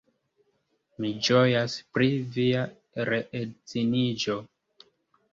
Mi ĝojas pri via reedziniĝo.